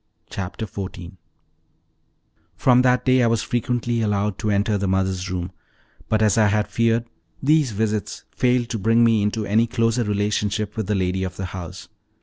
Chapter 14 From that day I was frequently allowed to enter the Mother's Room, but, as I had feared, these visits failed to bring me into any closer relationship with the lady of the house.